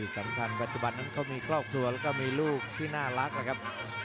สำคัญปัจจุบันนั้นเขามีครอบครัวแล้วก็มีลูกที่น่ารักนะครับ